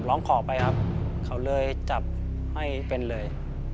ร้องขอไปครับเขาเลยจับให้เป็นเลย